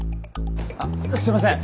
あっすいません